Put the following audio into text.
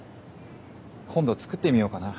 今度作ってみようかな。